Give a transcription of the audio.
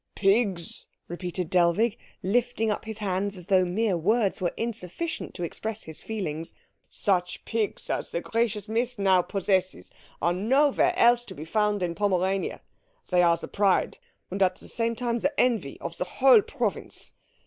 "Pigs?" repeated Dellwig, lifting up his hands as though mere words were insufficient to express his feelings, "such pigs as the gracious Miss now possesses are nowhere else to be found in Pomerania. They are the pride, and at the same time the envy, of the whole province.